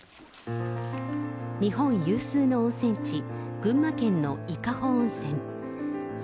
日本有数の温泉地、群馬県の伊香保温泉。